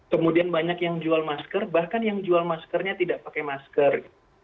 kemudian banyak yang jual masker bahkan yang jual maskernya tidak pakai masker